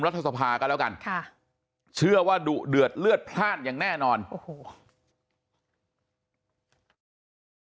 รัฐสภากันแล้วกันค่ะเชื่อว่าดุเดือดเลือดพลาดอย่างแน่นอนโอ้โห